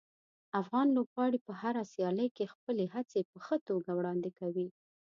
افغان لوبغاړي په هره سیالي کې خپلې هڅې په ښه توګه وړاندې کوي.